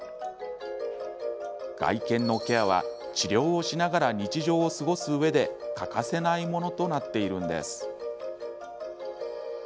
外見のケアは治療をしながら日常を過ごすうえで欠かせないものとなっているんです。